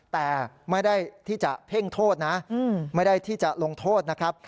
แต่ไม่ได้ที่จะเพ่งโทษนะไม่ได้ที่จะลงโทษนะครับ